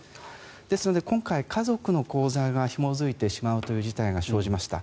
ですので、今回、家族の口座がひも付いてしまうという事態が生じました。